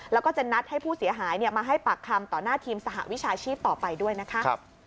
แล้วก็จะนัดให้ผู้เสียหายมาให้ปากคำต่อหน้าทีมสหวิชาชีพต่อไปด้วยนะคะ